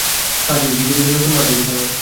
কাজেই ভিজে ভিজে নূতন মঠে যেতে হবে।